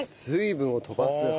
水分を飛ばす。